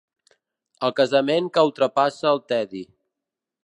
El cansament que ultrapassa el tedi.